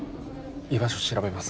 居場所調べます